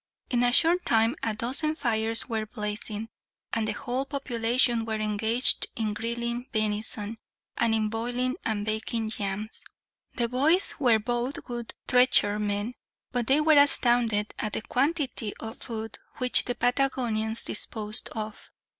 In a short time a dozen fires were blazing, and the whole population were engaged in grilling venison, and in boiling and baking yams. The boys were both good trenchermen, but they were astounded at the quantity of food which the Patagonians disposed of.